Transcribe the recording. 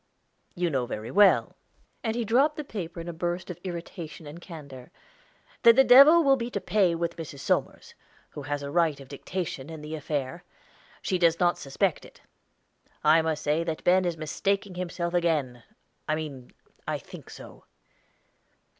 You know very well," and he dropped the paper in a burst of irritation and candor, "that the devil will be to pay with Mrs. Somers, who has a right of dictation in the affair. She does not suspect it. I must say that Ben is mistaking himself again. I mean, I think so."